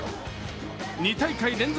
２大会連続